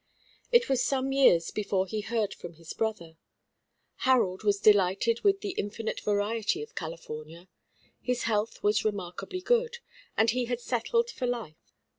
It was some years before he heard from his brother. Harold was delighted with the infinite variety of California; his health was remarkably good; and he had settled for life.